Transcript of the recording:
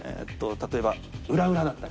例えば裏裏だったり。